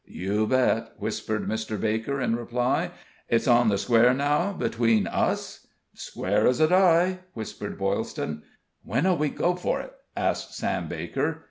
"You bet," whispered Mr. Baker, in reply. "It's on the square now, between us?" "Square as a die," whispered Boylston. "When'll we go for it?" asked Sam Baker.